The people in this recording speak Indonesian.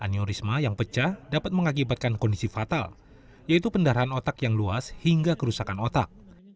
aneurisma yang pecah dapat mengakibatkan kondisi fatal yaitu pendarahan otak yang luas hingga kerusakan otak